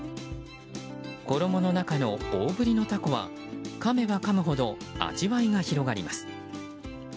衣の中の大ぶりなタコはかめばかむほど味わいが広がります。